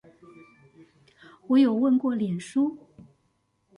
我有問過臉書